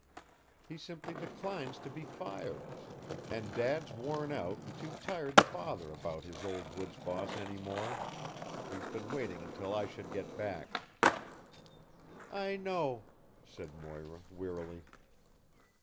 He simply declines to be fired, and Dad's worn out and too tired to bother about his old woods boss any more. He's been waiting until I should get back." "I know," said Moira wearily.